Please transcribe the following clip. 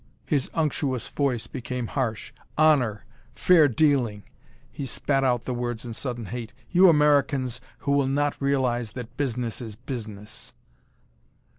His unctuous voice became harsh. "Honor! Fair dealing!" He spat out the words in sudden hate. "You Americans who will not realize that business is business!"